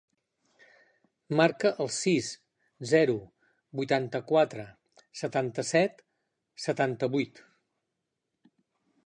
Marca el sis, zero, vuitanta-quatre, setanta-set, setanta-vuit.